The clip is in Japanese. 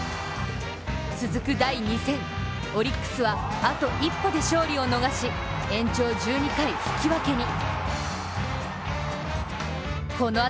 続く第２戦、オリックスはあと一歩で勝利を逃し延長１２回引き分けに。